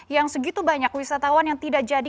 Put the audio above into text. yang segitu banyak wisatawan yang tidak jadi